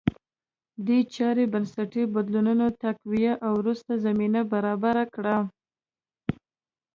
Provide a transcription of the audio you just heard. دې چارې بنسټي بدلونونه تقویه او وروسته زمینه برابره کړه